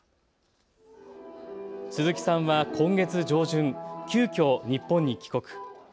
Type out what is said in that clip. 鈴木さんは今月上旬急きょ日本に帰国。